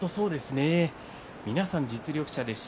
皆さん実力者ですし。